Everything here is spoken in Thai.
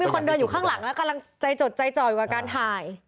คนเดินอยู่ข้างหลังแล้วกำลังใจจดใจจ่อยกว่าการถ่าย